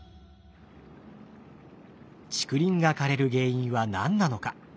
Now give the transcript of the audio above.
竹林が枯れる原因は何なのか？